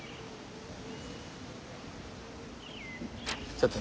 ちょっと。